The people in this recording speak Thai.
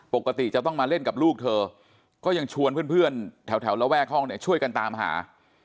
ปกติจะต้องมาเล่นกับลูกเธอก็ยังชวนเพื่อนแถวระแวกห้องเนี่ยช่วยกันตามหา